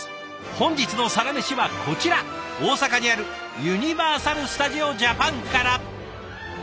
本日の「サラメシ」はこちら大阪にあるユニバーサル・スタジオ・ジャパンから！